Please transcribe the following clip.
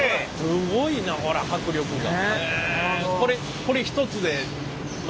すごいなこりゃ迫力が。